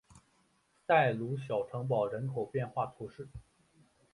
塞鲁小城堡人口变化图示